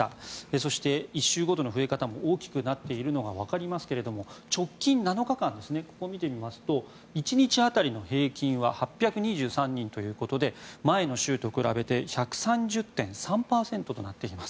そして、１週ごとの増え方も大きくなっているのがわかりますが直近７日間、ここを見てみますと１日当たりの平均は８２３人ということで前の週と比べて１３０．３％となっています。